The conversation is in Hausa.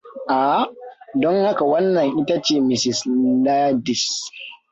Aha, don haka wannan ita ce Mrs. Ladins!